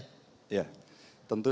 tentu saya berkata